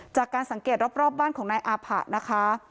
จากการสังเกตรอบบ้านของนายอาผะนะคะ